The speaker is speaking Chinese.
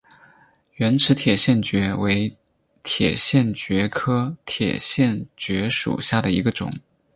圆齿铁线蕨为铁线蕨科铁线蕨属下的一个种。